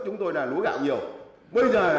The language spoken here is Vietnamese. chúng tôi là lúa gạo nhiều bây giờ là